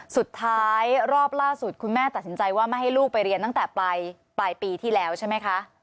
รอบล่าสุดคุณแม่ตัดสินใจว่าไม่ให้ลูกไปเรียนตั้งแต่ปลายปีที่แล้วใช่ไหมคะ